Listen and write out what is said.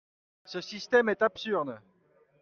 Ce système est absurde